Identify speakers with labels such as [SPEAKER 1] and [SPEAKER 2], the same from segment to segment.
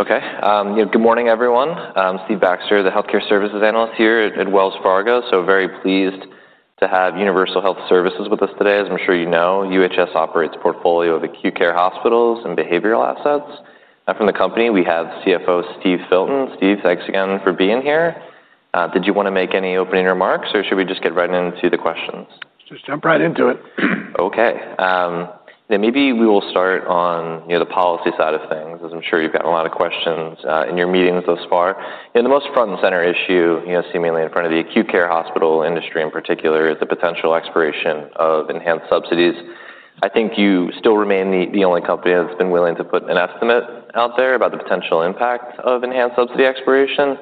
[SPEAKER 1] Okay. Good morning, everyone. I'm Stephen Baxter, the Health Care Services Analyst here at Wells Fargo. Very pleased to have Universal Health Services with us today. As I'm sure you know, UHS operates a portfolio of acute care hospitals and behavioral assets. From the company, we have CFO Steve Filton. Steve, thanks again for being here. Did you want to make any opening remarks, or should we just get right into the questions?
[SPEAKER 2] Just jump right into it.
[SPEAKER 1] Okay, maybe we will start on the policy side of things, as I'm sure you've got a lot of questions in your meetings thus far. The most front and center issue, seemingly in front of the acute care hospital industry in particular, is the potential expiration of enhanced subsidies. I think you still remain the only company that's been willing to put an estimate out there about the potential impact of enhanced subsidy expiration.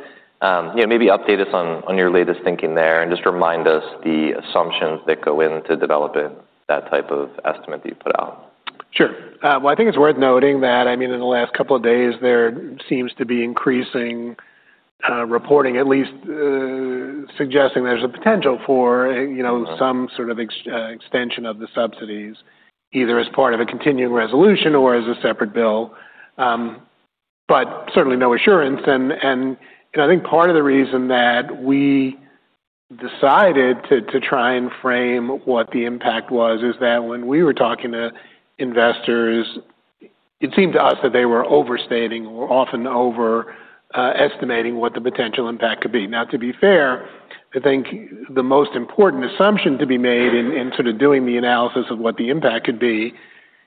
[SPEAKER 1] Maybe update us on your latest thinking there and just remind us the assumptions that go into developing that type of estimate that you put out.
[SPEAKER 2] Sure. I think it's worth noting that, in the last couple of days, there seems to be increasing reporting at least suggesting there's a potential for some sort of extension of the subsidies either as part of a continuing resolution or as a separate bill, but certainly no assurance. I think part of the reason that we decided to try and frame what the impact was is that when we were talking to investors, it seemed to us that they were overstating or often overestimating what the potential impact could be. To be fair, I think the most important assumption to be made in sort of doing the analysis of what the impact could be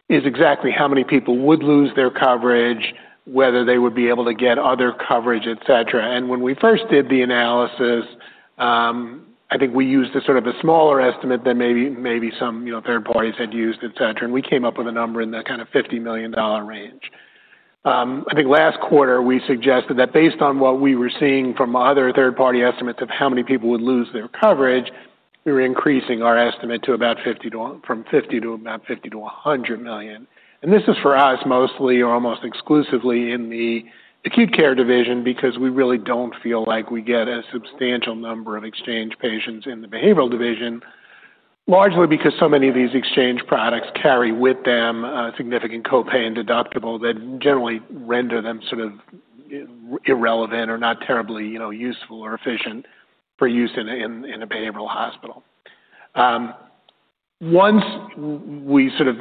[SPEAKER 2] is exactly how many people would lose their coverage, whether they would be able to get other coverage, etc. When we first did the analysis, I think we used a sort of a smaller estimate than maybe some third parties had used, etc. We came up with a number in the kind of $50 million range. I think last quarter we suggested that based on what we were seeing from other third-party estimates of how many people would lose their coverage, we were increasing our estimate from $50 million to about $50 million to $100 million. This is for us mostly or almost exclusively in the acute care division because we really don't feel like we get a substantial number of exchange patients in the behavioral division, largely because so many of these exchange products carry with them a significant copay and deductible that generally render them sort of irrelevant or not terribly useful or efficient for use in a behavioral hospital. Once we sort of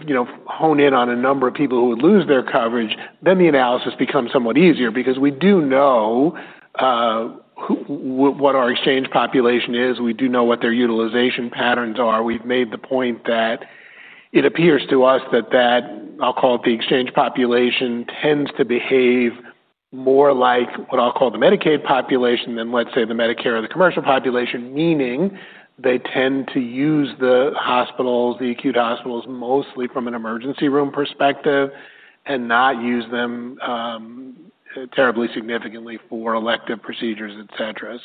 [SPEAKER 2] hone in on a number of people who would lose their coverage, then the analysis becomes somewhat easier because we do know what our exchange population is. We do know what their utilization patterns are. We've made the point that it appears to us that the exchange population tends to behave more like what I'll call the Medicaid population than, let's say, the Medicare or the commercial population, meaning they tend to use the hospitals, the acute hospitals mostly from an emergency room perspective and not use them terribly significantly for elective procedures, etc.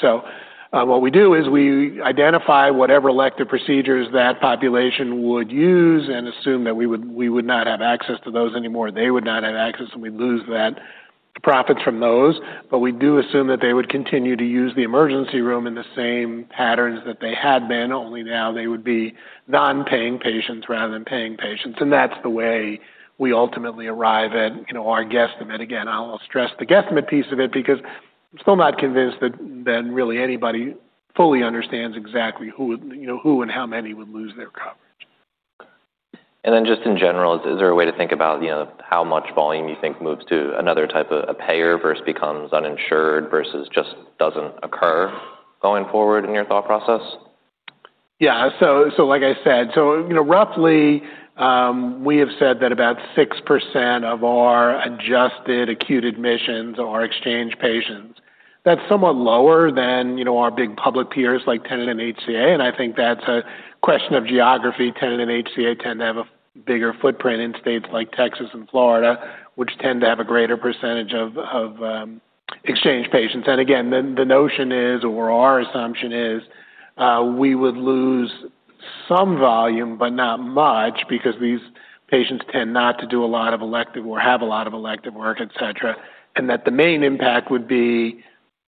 [SPEAKER 2] What we do is we identify whatever elective procedures that population would use and assume that we would not have access to those anymore. They would not have access, and we'd lose the profits from those. We do assume that they would continue to use the emergency room in the same patterns that they had been, only now they would be non-paying patients rather than paying patients. That's the way we ultimately arrive at, you know, our guesstimate. Again, I'll stress the guesstimate piece of it because I'm still not convinced that really anybody fully understands exactly who, you know, who and how many would lose their coverage.
[SPEAKER 1] Is there a way to think about, you know, how much volume you think moves to another type of a payer versus becomes uninsured versus just doesn't occur going forward in your thought process?
[SPEAKER 2] Yeah, like I said, you know, roughly, we have said that about 6% of our adjusted acute admissions are exchange patients. That's somewhat lower than, you know, our big public peers like Tenet and HCA. I think that's a question of geography. Tenet and HCA tend to have a bigger footprint in states like Texas and Florida, which tend to have a greater percentage of exchange patients. The notion is, or our assumption is, we would lose some volume, but not much because these patients tend not to do a lot of elective or have a lot of elective work, etc., and that the main impact would be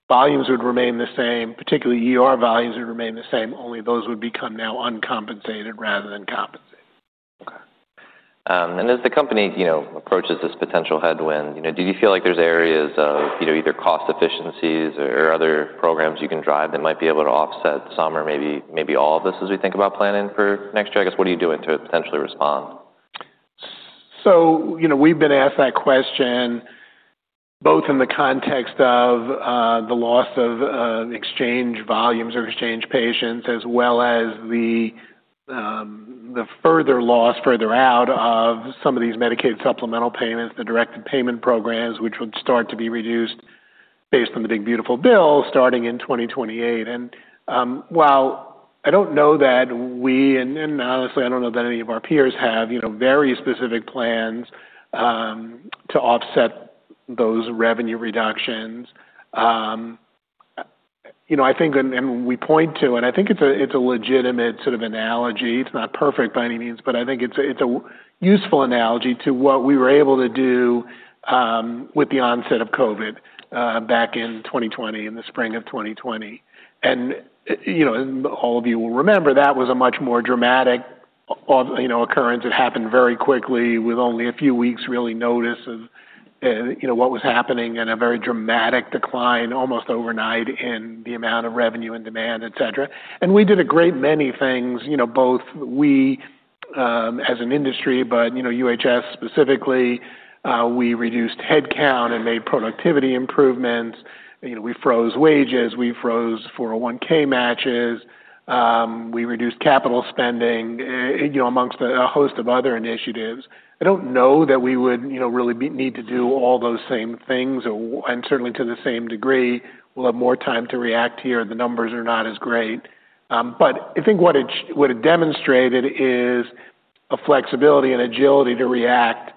[SPEAKER 2] volumes would remain the same, particularly volumes would remain the same, only those would become now uncompensated rather than compensated.
[SPEAKER 1] Okay. As the company approaches this potential headwind, do you feel like there's areas of either cost efficiencies or other programs you can drive that might be able to offset some or maybe all of this as we think about planning for next year? I guess, what are you doing to potentially respond?
[SPEAKER 2] We've been asked that question both in the context of the loss of exchange volumes or exchange patients, as well as the further loss further out of some of these Medicaid supplemental payments, the directed payment programs, which would start to be reduced based on the Big Beautiful Bill starting in 2028. While I don't know that we, and honestly, I don't know that any of our peers have very specific plans to offset those revenue reductions, I think, and we point to, and I think it's a legitimate sort of analogy. It's not perfect by any means, but I think it's a useful analogy to what we were able to do with the onset of COVID back in 2020, in the spring of 2020. All of you will remember that was a much more dramatic occurrence. It happened very quickly with only a few weeks really notice of what was happening and a very dramatic decline almost overnight in the amount of revenue and demand, etc. We did a great many things, both we as an industry, but UHS specifically. We reduced headcount and made productivity improvements. We froze wages, we froze 401(k) matches, we reduced capital spending, amongst a host of other initiatives. I don't know that we would really need to do all those same things, and certainly to the same degree. We'll have more time to react here. The numbers are not as great. I think what it demonstrated is a flexibility and agility to react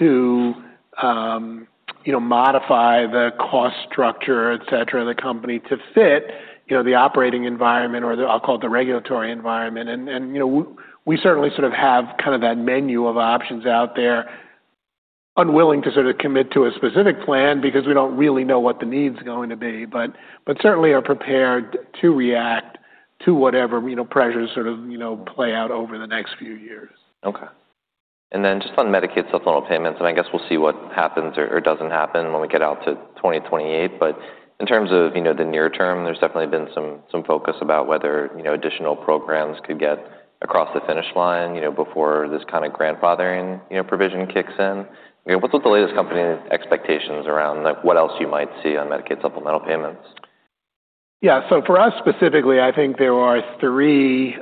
[SPEAKER 2] to modify the cost structure, etc., of the company to fit the operating environment or the, I'll call it the regulatory environment. We certainly sort of have kind of that menu of options out there, unwilling to sort of commit to a specific plan because we don't really know what the need is going to be, but certainly are prepared to react to whatever pressures sort of play out over the next few years.
[SPEAKER 1] Okay. Just on Medicaid supplemental payments, I guess we'll see what happens or doesn't happen when we get out to 2028. In terms of the near term, there's definitely been some focus about whether additional programs could get across the finish line before this kind of grandfathering provision kicks in. What's the latest company expectations around what else you might see on Medicaid supplemental payments?
[SPEAKER 2] Yeah. For us specifically, I think there are three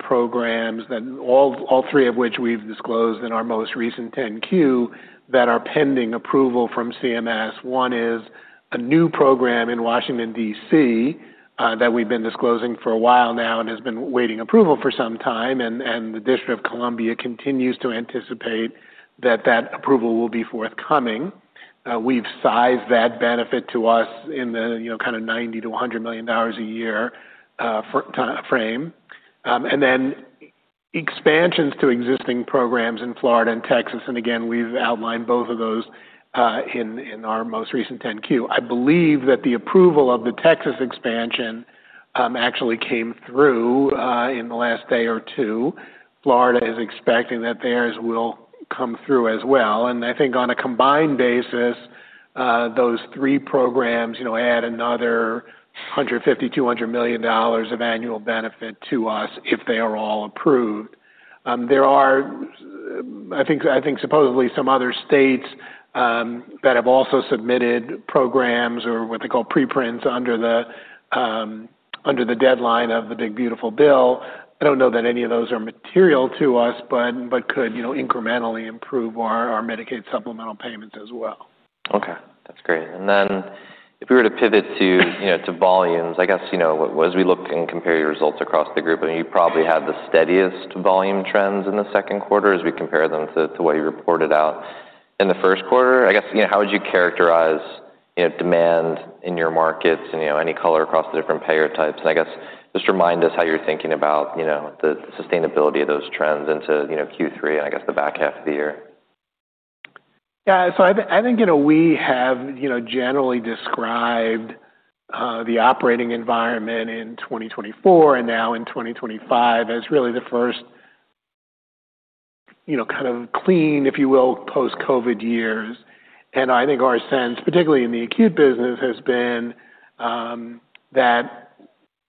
[SPEAKER 2] programs, all of which we've disclosed in our most recent 10-Q, that are pending approval from CMS. One is a new program in Washington, D.C., that we've been disclosing for a while now and has been awaiting approval for some time. The District of Columbia continues to anticipate that approval will be forthcoming. We've sized that benefit to us in the, you know, kind of $90- $100 million a year timeframe. Then expansions to existing programs in Florida and Texas. We've outlined both of those in our most recent 10-Q. I believe that the approval of the Texas expansion actually came through in the last day or two. Florida is expecting that theirs will come through as well. On a combined basis, those three programs add another $150- $200 million of annual benefit to us if they are all approved. There are supposedly some other states that have also submitted programs or what they call preprints under the deadline of the Big Beautiful Bill. I don't know that any of those are material to us, but could incrementally improve our Medicaid supplemental payments as well.
[SPEAKER 1] Okay. That's great. If we were to pivot to volumes, as we look and compare your results across the group, you probably had the steadiest volume trends in the second quarter as we compare them to what you reported out in the first quarter. How would you characterize demand in your markets and any color across the different payer types? Remind us how you're thinking about the sustainability of those trends into Q3 and the back half of the year.
[SPEAKER 2] Yeah. I think we have generally described the operating environment in 2024 and now in 2025 as really the first kind of clean, if you will, post-COVID years. I think our sense, particularly in the acute business, has been that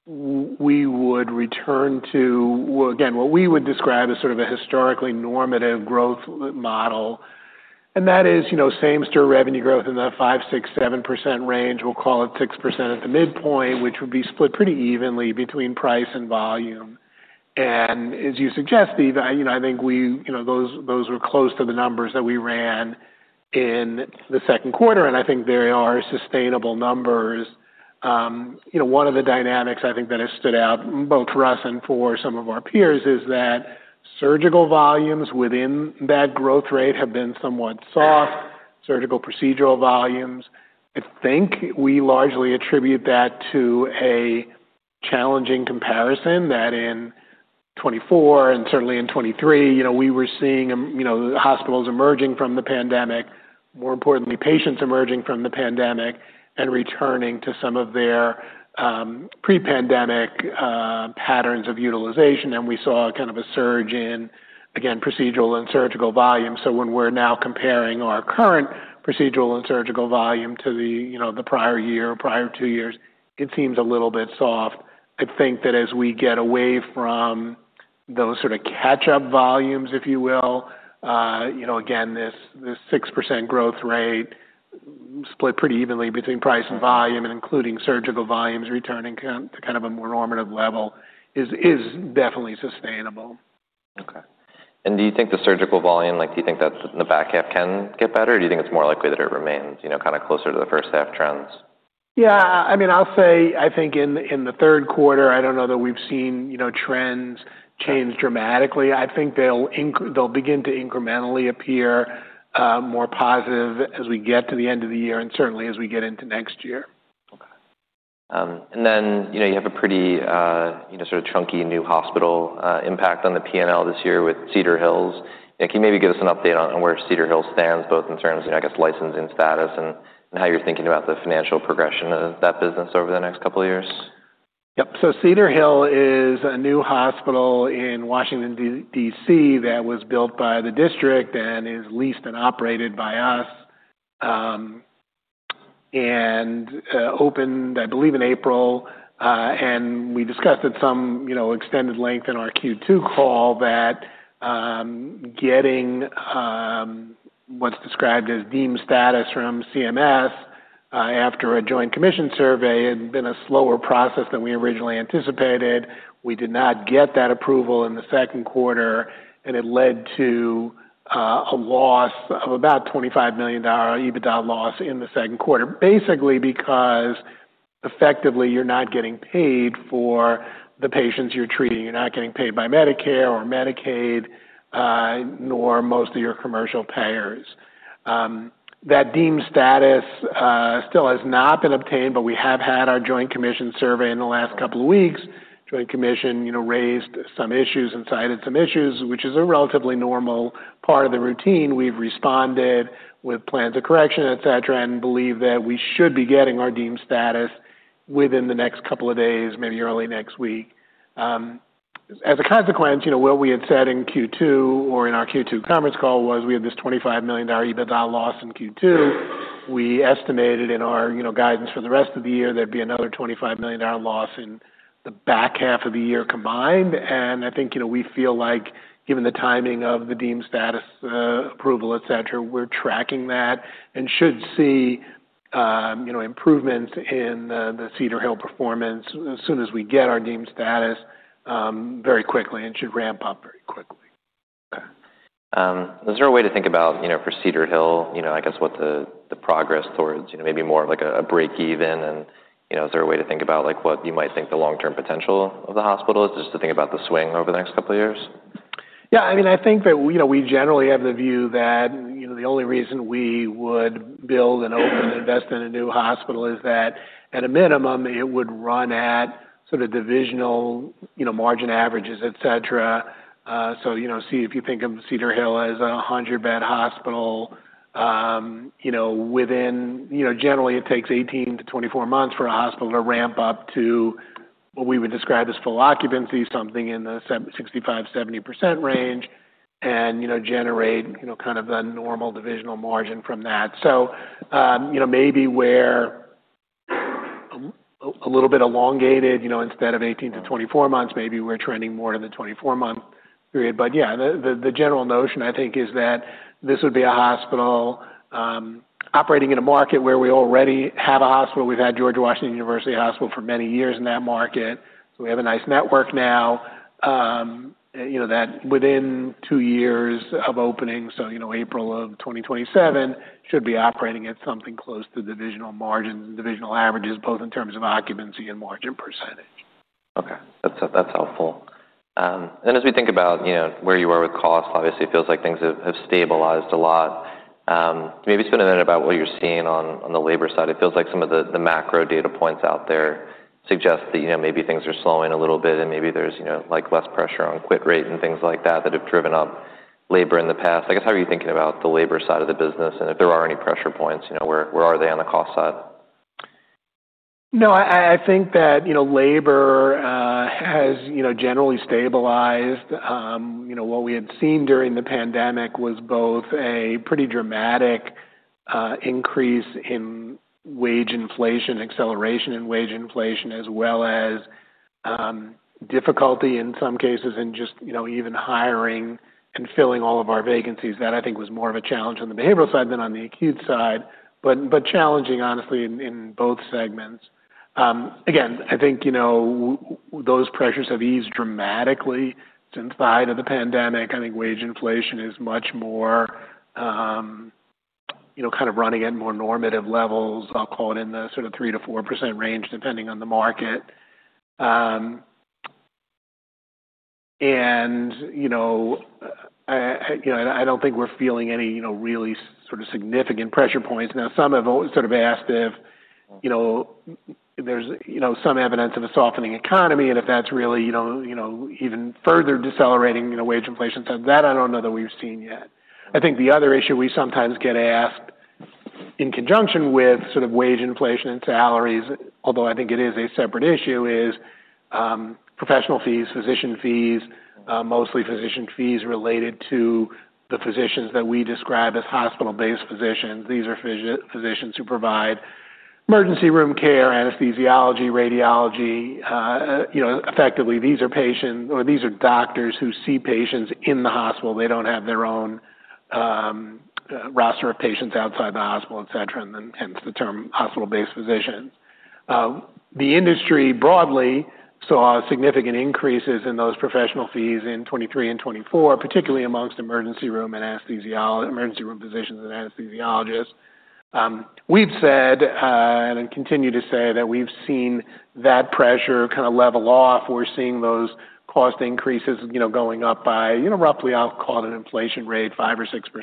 [SPEAKER 2] we would return to, again, what we would describe as sort of a historically normative growth model. That is, same-store revenue growth in the 5%, 6%, 7% range. We'll call it 6% at the midpoint, which would be split pretty evenly between price and volume. As you suggest, Steve, I think those were close to the numbers that we ran in the second quarter. I think they are sustainable numbers. One of the dynamics I think that has stood out both for us and for some of our peers is that surgical volumes within that growth rate have been somewhat soft, surgical procedural volumes. I think we largely attribute that to a challenging comparison that in 2024 and certainly in 2023, we were seeing hospitals emerging from the pandemic, more importantly, patients emerging from the pandemic and returning to some of their pre-pandemic patterns of utilization. We saw a kind of a surge in procedural and surgical volume. When we're now comparing our current procedural and surgical volume to the prior year or prior two years, it seems a little bit soft. I think that as we get away from those sort of catch-up volumes, if you will, this 6% growth rate split pretty evenly between price and volume and including surgical volumes returning to kind of a more normative level is definitely sustainable.
[SPEAKER 1] Okay. Do you think the surgical volume, like, do you think that in the back half can get better, or do you think it's more likely that it remains, you know, kind of closer to the first half trends?
[SPEAKER 2] Yeah, I mean, I think in the third quarter, I don't know that we've seen trends change dramatically. I think they'll begin to incrementally appear more positive as we get to the end of the year and certainly as we get into next year.
[SPEAKER 1] Okay. You have a pretty, you know, sort of chunky new hospital impact on the P&L this year with Cedar Hill. Can you maybe give us an update on where Cedar Hill stands, both in terms of, I guess, licensing status and how you're thinking about the financial progression of that business over the next couple of years?
[SPEAKER 2] Yep. Cedar Hill is a new hospital in Washington, D.C. that was built by the district and is leased and operated by us. It opened, I believe, in April. We discussed at some extended length in our Q2 call that getting what's described as Deemed status from CMS after a Joint Commission survey had been a slower process than we originally anticipated. We did not get that approval in the second quarter, and it led to a $25 million EBITDA loss in the second quarter, basically because effectively you're not getting paid for the patients you're treating. You're not getting paid by Medicare or Medicaid, nor most of your commercial payers. That Deemed status still has not been obtained, but we have had our Joint Commission survey in the last couple of weeks. Joint Commission raised some issues and cited some issues, which is a relatively normal part of the routine. We've responded with plans of correction, etc., and believe that we should be getting our Deemed status within the next couple of days, maybe early next week. As a consequence, what we had said in Q2 or in our Q2 conference call was we had this $25 million EBITDA loss in Q2. We estimated in our guidance for the rest of the year there'd be another $25 million loss in the back half of the year combined. I think we feel like given the timing of the Deemed status approval, we're tracking that and should see improvements in the Cedar Hill performance as soon as we get our Deemed status, very quickly and should ramp up very quickly.
[SPEAKER 1] Okay. Is there a way to think about, you know, for Cedar Hill, what the progress towards, you know, maybe more of like a break-even is? You know, is there a way to think about what you might think the long-term potential of the hospital is just to think about the swing over the next couple of years?
[SPEAKER 2] Yeah. I mean, I think that, you know, we generally have the view that the only reason we would build and open and invest in a new hospital is that at a minimum, it would run at sort of divisional margin averages, etc. If you think of Cedar Hill as a 100-bed hospital, generally, it takes 18- 24 months for a hospital to ramp up to what we would describe as full occupancy, something in the 65%- 70% range, and generate kind of the normal divisional margin from that. Maybe we're a little bit elongated, instead of 18- 24 months, maybe we're trending more in the 24-month period. The general notion, I think, is that this would be a hospital operating in a market where we already have a hospital. We've had George Washington University Hospital for many years in that market. We have a nice network now that within two years of opening, so April of 2027, should be operating at something close to divisional margins and divisional averages, both in terms of occupancy and margin percentage.
[SPEAKER 1] Okay. That's helpful. As we think about, you know, where you are with cost, obviously, it feels like things have stabilized a lot. Maybe spend a minute about what you're seeing on the labor side. It feels like some of the macro data points out there suggest that, you know, maybe things are slowing a little bit and maybe there's, you know, like less pressure on quit rate and things like that that have driven up labor in the past. I guess, how are you thinking about the labor side of the business? If there are any pressure points, you know, where are they on the cost side?
[SPEAKER 2] No, I think that, you know, labor has generally stabilized. What we had seen during the pandemic was both a pretty dramatic increase in wage inflation, acceleration in wage inflation, as well as difficulty in some cases in just even hiring and filling all of our vacancies. That I think was more of a challenge on the behavioral side than on the acute side, but challenging, honestly, in both segments. I think those pressures have eased dramatically since the height of the pandemic. I think wage inflation is much more kind of running at more normative levels. I'll call it in the sort of 3%- 4% range depending on the market. I don't think we're feeling any really sort of significant pressure points. Some have asked if there's some evidence of a softening economy and if that's really even further decelerating wage inflation. That I don't know that we've seen yet. I think the other issue we sometimes get asked in conjunction with wage inflation and salaries, although I think it is a separate issue, is professional fees, physician fees, mostly physician fees related to the physicians that we describe as hospital-based physicians. These are physicians who provide emergency room care, anesthesiology, radiology. Effectively, these are doctors who see patients in the hospital. They don't have their own roster of patients outside the hospital, etc., and hence the term hospital-based physicians. The industry broadly saw significant increases in those professional fees in 2023 and 2024, particularly amongst emergency room physicians and anesthesiologists. We've said, and continue to say, that we've seen that pressure kind of level off. We're seeing those cost increases going up by roughly, I'll call it an inflation rate, 5% or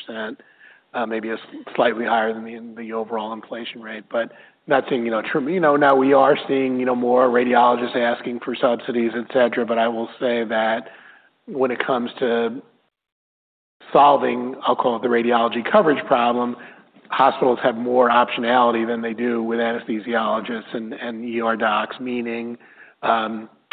[SPEAKER 2] 6%, maybe slightly higher than the overall inflation rate, but not seeing true. Now we are seeing more radiologists asking for subsidies, etc., but I will say that when it comes to solving, I'll call it the radiology coverage problem, hospitals have more optionality than they do with anesthesiologists and docs. Meaning,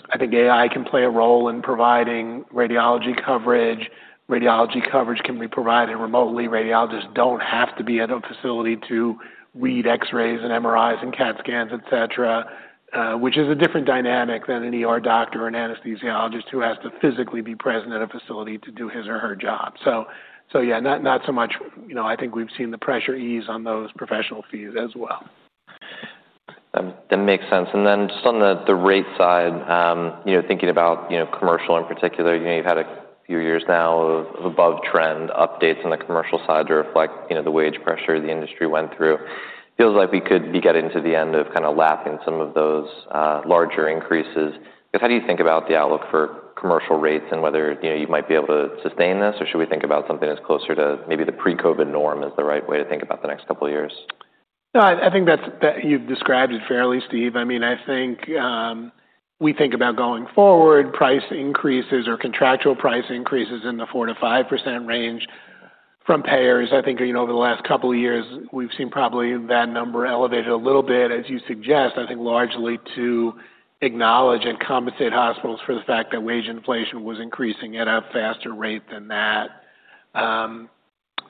[SPEAKER 2] I think AI can play a role in providing radiology coverage. Radiology coverage can be provided remotely. Radiologists don't have to be at a facility to read X-rays and MRIs and CAT scans, etc., which is a different dynamic than a doctor or an anesthesiologist who has to physically be present at a facility to do his or her job. Yeah, not so much, I think we've seen the pressure ease on those professional fees as well.
[SPEAKER 1] That makes sense. Just on the rate side, thinking about commercial in particular, you've had a few years now of above-trend updates on the commercial side to reflect the wage pressure the industry went through. It feels like we could be getting to the end of lapping some of those larger increases. I guess, how do you think about the outlook for commercial rates and whether you might be able to sustain this, or should we think about something that's closer to maybe the pre-COVID norm as the right way to think about the next couple of years?
[SPEAKER 2] No, I think that you've described it fairly, Steve. I mean, I think we think about going forward, price increases or contractual price increases in the 4%- 5% range from payers. I think over the last couple of years, we've seen probably that number elevated a little bit, as you suggest, largely to acknowledge and compensate hospitals for the fact that wage inflation was increasing at a faster rate than that.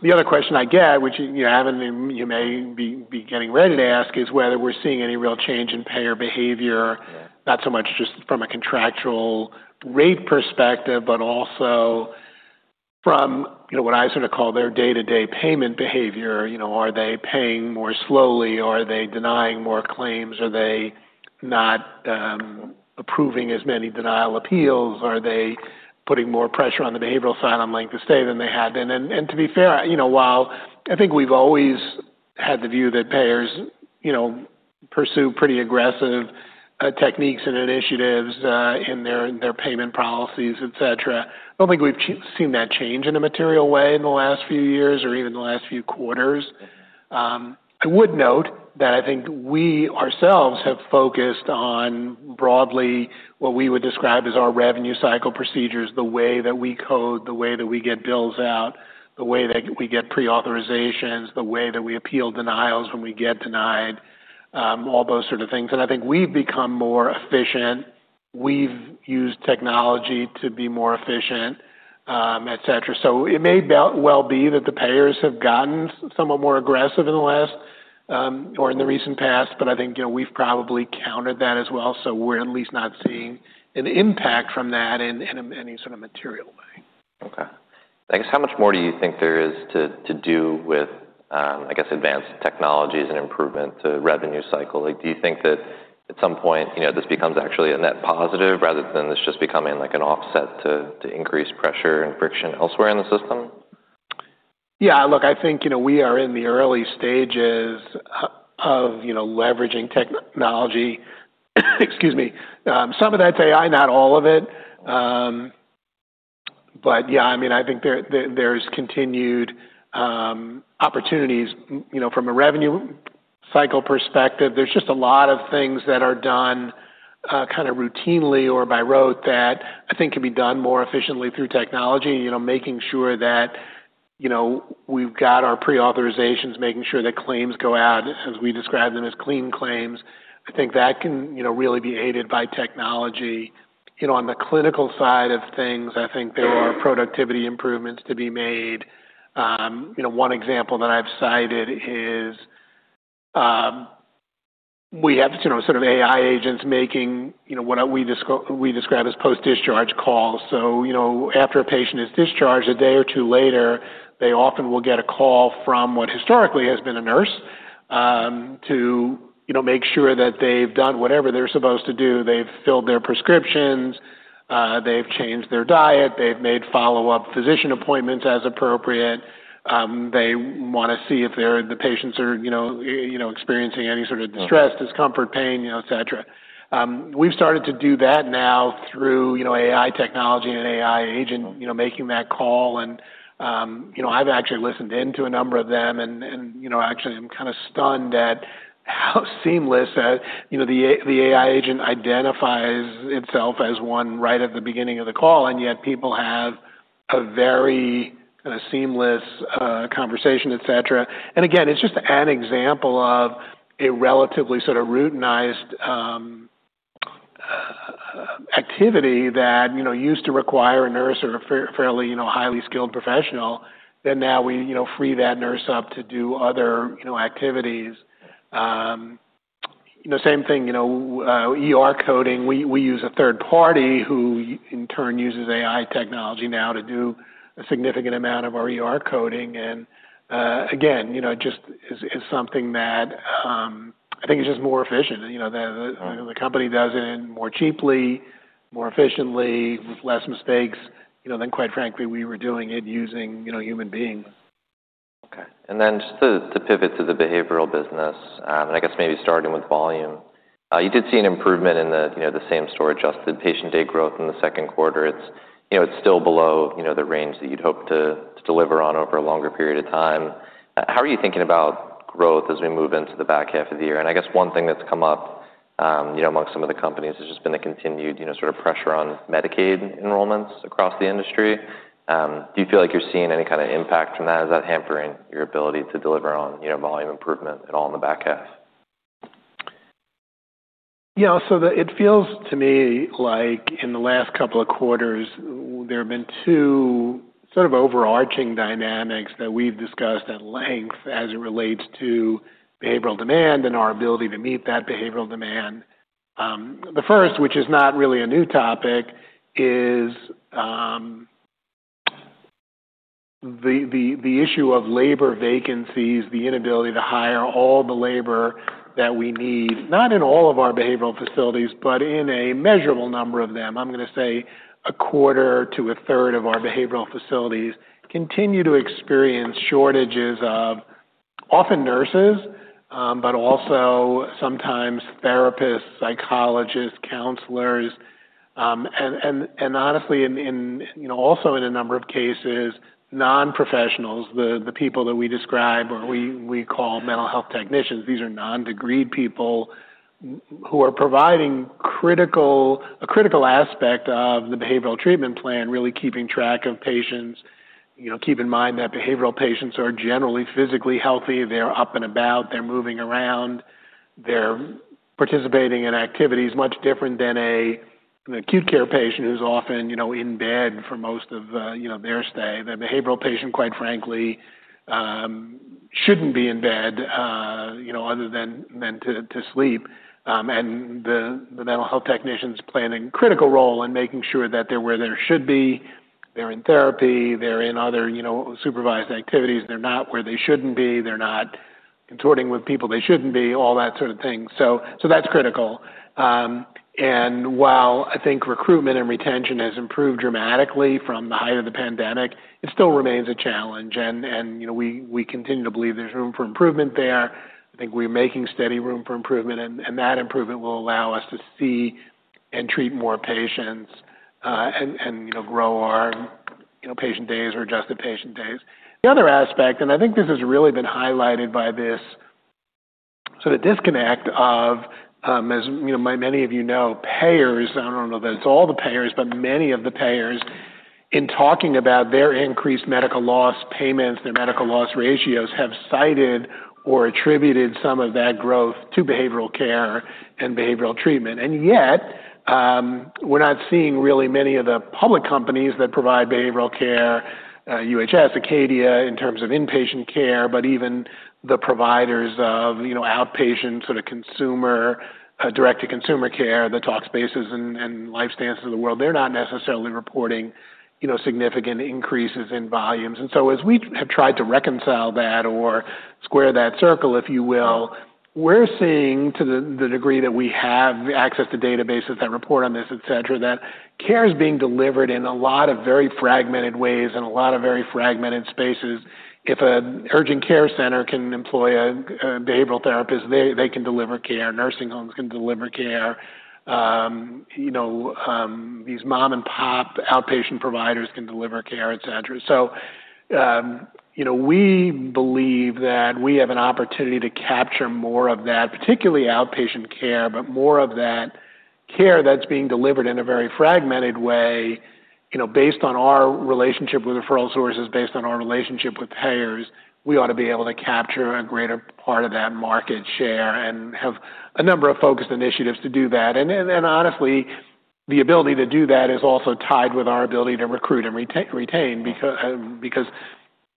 [SPEAKER 2] The other question I get, which you haven't and you may be getting ready to ask, is whether we're seeing any real change in payer behavior, not so much just from a contractual rate perspective, but also from what I sort of call their day-to-day payment behavior. Are they paying more slowly? Are they denying more claims? Are they not approving as many denial appeals? Are they putting more pressure on the behavioral side on length of stay than they had been? To be fair, while I think we've always had the view that payers pursue pretty aggressive techniques and initiatives in their payment policies, etc., I don't think we've seen that change in a material way in the last few years or even the last few quarters. I would note that I think we ourselves have focused on broadly what we would describe as our revenue cycle procedures, the way that we code, the way that we get bills out, the way that we get pre-authorizations, the way that we appeal denials when we get denied, all those sort of things. I think we've become more efficient. We've used technology to be more efficient, etc. It may well be that the payers have gotten somewhat more aggressive in the last or in the recent past, but I think we've probably countered that as well. We're at least not seeing an impact from that in any sort of material way.
[SPEAKER 1] Okay, I guess, how much more do you think there is to do with, I guess, advanced technologies and improvements to the revenue cycle? Do you think that at some point, you know, this becomes actually a net positive rather than this just becoming like an offset to increased pressure and friction elsewhere in the system?
[SPEAKER 2] Yeah. Look, I think we are in the early stages of leveraging technology. Excuse me. Some of that's AI, not all of it. I mean, I think there's continued opportunities from a revenue cycle perspective. There's just a lot of things that are done kind of routinely or by rote that I think can be done more efficiently through technology, making sure that we've got our pre-authorizations, making sure that claims go out as we describe them as clean claims. I think that can really be aided by technology. On the clinical side of things, I think there are productivity improvements to be made. One example that I've cited is we have sort of AI agents making what we describe as post-discharge calls. After a patient is discharged a day or two later, they often will get a call from what historically has been a nurse, to make sure that they've done whatever they're supposed to do. They've filled their prescriptions, they've changed their diet, they've made follow-up physician appointments as appropriate. They want to see if the patients are experiencing any sort of distress, discomfort, pain, etc. We've started to do that now through AI technology and an AI agent making that call. I've actually listened into a number of them, and actually, I'm kind of stunned at how seamless the AI agent identifies itself as one right at the beginning of the call, and yet people have a very kind of seamless conversation, etc. Again, it's just an example of a relatively sort of routinized activity that used to require a nurse or a fairly highly skilled professional. Now we free that nurse up to do other activities. Same thing, coding. We use a third party who in turn uses AI technology now to do a significant amount of our coding. Again, it just is something that I think is just more efficient. The company does it more cheaply, more efficiently, with less mistakes than, quite frankly, we were doing it using human beings.
[SPEAKER 1] Okay. To pivot to the behavioral business, and I guess maybe starting with volume, you did see an improvement in the same-store adjusted patient-day growth in the second quarter. It's still below the range that you'd hope to deliver on over a longer period of time. How are you thinking about growth as we move into the back half of the year? I guess one thing that's come up amongst some of the companies has just been the continued sort of pressure on Medicaid enrollments across the industry. Do you feel like you're seeing any kind of impact from that? Is that hampering your ability to deliver on volume improvement at all in the back half?
[SPEAKER 2] Yeah. It feels to me like in the last couple of quarters, there have been two sort of overarching dynamics that we've discussed at length as it relates to behavioral demand and our ability to meet that behavioral demand. The first, which is not really a new topic, is the issue of labor vacancies, the inability to hire all the labor that we need, not in all of our behavioral facilities, but in a measurable number of them. I'm going to say a quarter to a third of our behavioral facilities continue to experience shortages of often nurses, but also sometimes therapists, psychologists, counselors. Honestly, in a number of cases, non-professionals, the people that we describe or we call mental health technicians, these are non-degreed people who are providing a critical aspect of the behavioral treatment plan, really keeping track of patients. Keep in mind that behavioral patients are generally physically healthy. They're up and about. They're moving around. They're participating in activities, much different than an acute care patient who's often in bed for most of their stay. The behavioral patient, quite frankly, shouldn't be in bed other than to sleep. The mental health technicians play a critical role in making sure that they're where they should be. They're in therapy. They're in other supervised activities. They're not where they shouldn't be. They're not consorting with people they shouldn't be, all that sort of thing. That's critical. While I think recruitment and retention has improved dramatically from the height of the pandemic, it still remains a challenge. We continue to believe there's room for improvement there. I think we're making steady room for improvement, and that improvement will allow us to see and treat more patients, and grow our patient days or adjusted patient days. The other aspect, and I think this has really been highlighted by this sort of disconnect of, as many of you know, payers, I don't know that it's all the payers, but many of the payers in talking about their increased medical loss payments, their medical loss ratios have cited or attributed some of that growth to behavioral care and behavioral treatment. Yet, we're not seeing really many of the public companies that provide behavioral care, UHS, Acadia, in terms of inpatient care, but even the providers of outpatient sort of consumer, direct-to-consumer care, the Talkspaces and LifeStances of the world, they're not necessarily reporting significant increases in volumes. As we have tried to reconcile that or square that circle, if you will, we're seeing to the degree that we have access to databases that report on this, that care is being delivered in a lot of very fragmented ways in a lot of very fragmented spaces. If an urgent care center can employ a behavioral therapist, they can deliver care. Nursing homes can deliver care. These mom-and-pop outpatient providers can deliver care. We believe that we have an opportunity to capture more of that, particularly outpatient care, but more of that care that's being delivered in a very fragmented way, based on our relationship with referral sources, based on our relationship with payers, we ought to be able to capture a greater part of that market share and have a number of focused initiatives to do that. Honestly, the ability to do that is also tied with our ability to recruit and retain because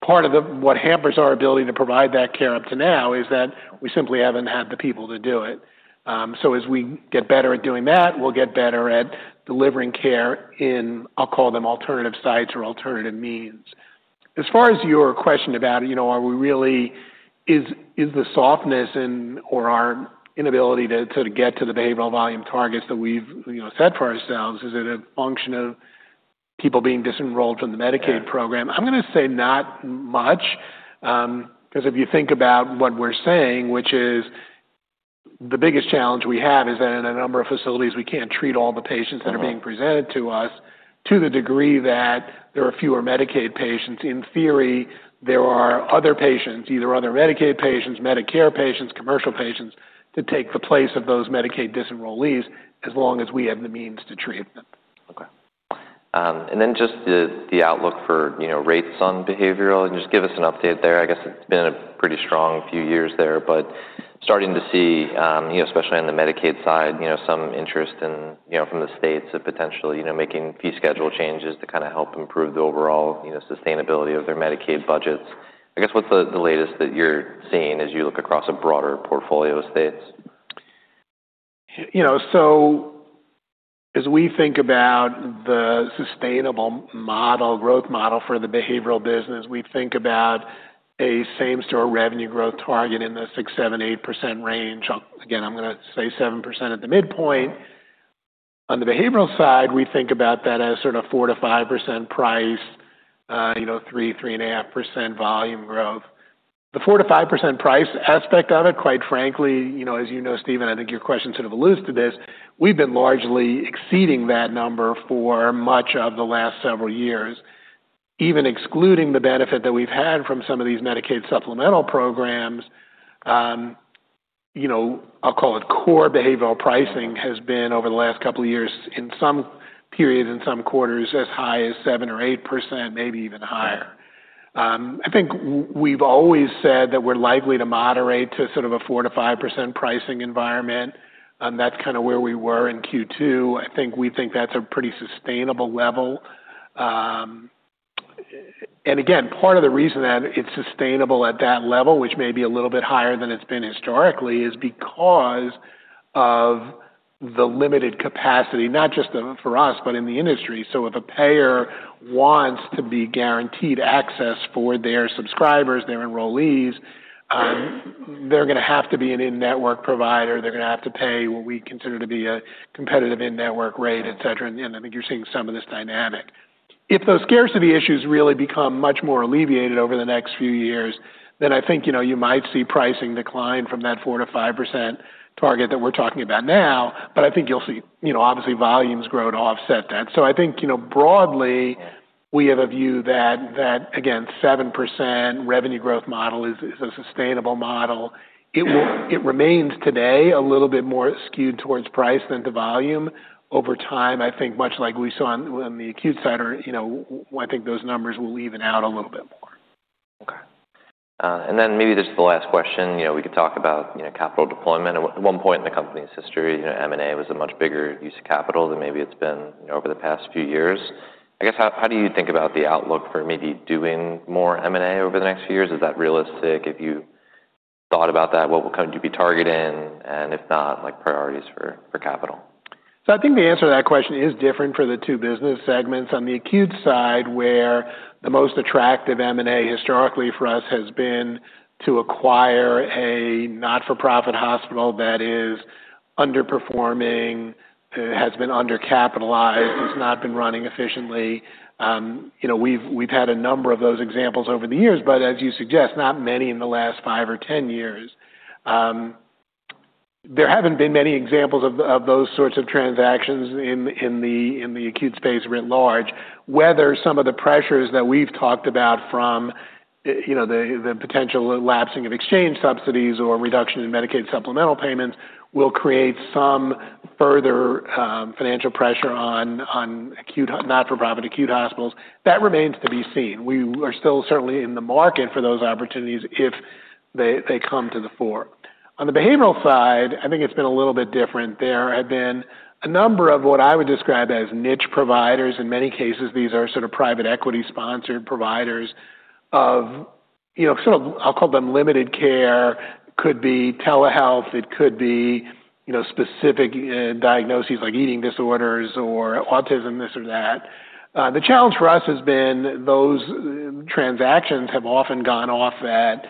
[SPEAKER 2] part of what hampers our ability to provide that care up to now is that we simply haven't had the people to do it. As we get better at doing that, we'll get better at delivering care in, I'll call them alternative sites or alternative means. As far as your question about, are we really, is the softness in or our inability to sort of get to the behavioral volume targets that we've set for ourselves, is it a function of people being disenrolled from the Medicaid program? I'm going to say not much. If you think about what we're saying, which is the biggest challenge we have is that in a number of facilities, we can't treat all the patients that are being presented to us to the degree that there are fewer Medicaid patients. In theory, there are other patients, either other Medicaid patients, Medicare patients, commercial patients to take the place of those Medicaid disenrolled leaves as long as we have the means to treat them.
[SPEAKER 1] Okay, and then just the outlook for, you know, rates on behavioral and just give us an update there. I guess it's been a pretty strong few years there, but starting to see, you know, especially on the Medicaid side, some interest in, you know, from the states of potentially making fee schedule changes to kind of help improve the overall sustainability of their Medicaid budgets. I guess, what's the latest that you're seeing as you look across a broader portfolio of states?
[SPEAKER 2] As we think about the sustainable model, growth model for the behavioral business, we think about a same-store revenue growth target in the 6%, 7%, 8% range. Again, I'm going to say 7% at the midpoint. On the behavioral side, we think about that as sort of 4%- 5% price, you know, 3%, 3.5% volume growth. The 4%- 5% price aspect of it, quite frankly, you know, as you know, Steven, I think your question sort of alludes to this, we've been largely exceeding that number for much of the last several years, even excluding the benefit that we've had from some of these Medicaid supplemental payment programs. I'll call it core behavioral pricing has been over the last couple of years in some periods, in some quarters, as high as 7% or 8%, maybe even higher. I think we've always said that we're likely to moderate to sort of a 4%- 5% pricing environment. That's kind of where we were in Q2. I think we think that's a pretty sustainable level. Part of the reason that it's sustainable at that level, which may be a little bit higher than it's been historically, is because of the limited capacity, not just for us, but in the industry. If a payer wants to be guaranteed access for their subscribers, their enrollees, they're going to have to be an in-network provider. They're going to have to pay what we consider to be a competitive in-network rate, etc. I think you're seeing some of this dynamic. If those scarcity issues really become much more alleviated over the next few years, then I think, you know, you might see pricing decline from that 4%- 5% target that we're talking about now. I think you'll see, obviously, volumes grow to offset that. Broadly, we have a view that, again, 7% revenue growth model is a sustainable model. It remains today a little bit more skewed towards price than to volume. Over time, I think, much like we saw on the acute side, I think those numbers will even out a little bit more.
[SPEAKER 1] Okay. Maybe this is the last question. We could talk about capital deployment. At one point in the company's history, M&A was a much bigger use of capital than maybe it's been over the past few years. I guess, how do you think about the outlook for maybe doing more M&A over the next few years? Is that realistic? If you thought about that, what would you be targeting? If not, like priorities for capital?
[SPEAKER 2] I think the answer to that question is different for the two business segments. On the acute side, where the most attractive M&A historically for us has been to acquire a not-for-profit hospital that is underperforming, has been under-capitalized, has not been running efficiently. We've had a number of those examples over the years, but as you suggest, not many in the last 5 or 10 years. There haven't been many examples of those sorts of transactions in the acute space writ large. Whether some of the pressures that we've talked about from the potential lapsing of exchange subsidies or reduction in Medicaid supplemental payments will create some further financial pressure on acute, not-for-profit acute hospitals, that remains to be seen. We are still certainly in the market for those opportunities if they come to the fore. On the behavioral side, I think it's been a little bit different. There have been a number of what I would describe as niche providers. In many cases, these are sort of private equity-sponsored providers of, I'll call them limited care. It could be telehealth. It could be specific diagnoses like eating disorders or autism, this or that. The challenge for us has been those transactions have often gone off at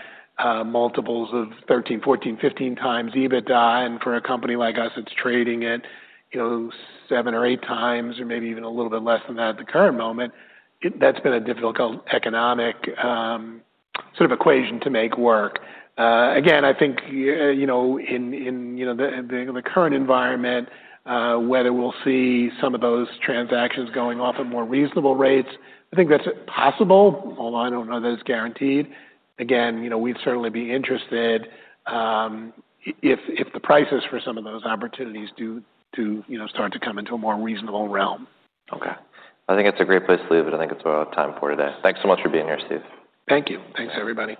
[SPEAKER 2] multiples of 13, 14, 15x EBITDA. For a company like us, it's trading at 7 or 8x or maybe even a little bit less than that at the current moment. That's been a difficult economic sort of equation to make work. In the current environment, whether we'll see some of those transactions going off at more reasonable rates, I think that's possible, although I don't know that it's guaranteed. We'd certainly be interested if the prices for some of those opportunities do start to come into a more reasonable realm.
[SPEAKER 1] Okay. I think it's a great place to leave it. I think that's what I have time for today. Thanks so much for being here, Steve.
[SPEAKER 2] Thank you. Thanks, everybody.